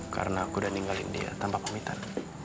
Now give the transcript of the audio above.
karena aku udah ninggalin dia tanpa pamitan